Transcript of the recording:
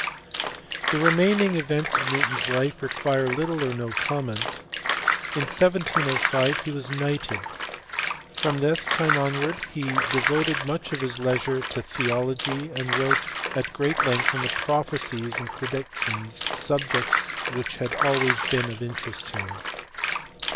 The remaining events of Newton s life require little or no comment. In 1705 he was knighted. From this time onwards he devoted much of his leisure to theology, and wrote at great length on prophecies and predictions, subjects which had always been of interest to him.